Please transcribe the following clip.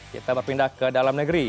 kita berpindah ke dalam negeri